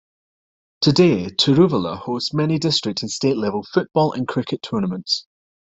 Today, Tiruvalla hosts many district and state level football and cricket tournaments.